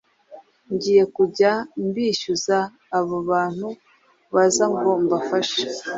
ngiye kujya mbishyuza abo bantu baza ngo mbafashe